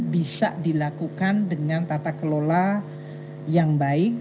bisa dilakukan dengan tata kelola yang baik